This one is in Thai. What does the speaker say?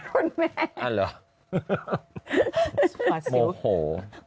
คุณแม่อ่าเหรอสวัสดีโหมโหโหมโห